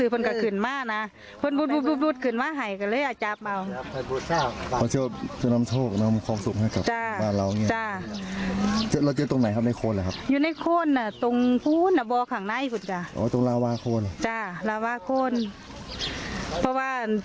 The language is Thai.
เพราะว่าพ่อต้านยกมือขอพระพุทธกับบุตรขึ้นมากก็เลยจับ